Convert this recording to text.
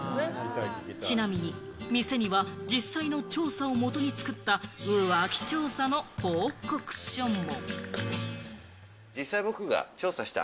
ちなみに店には、実際の調査をもとに作った浮気調査の報告書も。